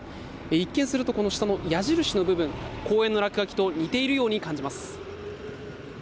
一見すると、この下の矢印の部分公園の落書きと似ているように感じます。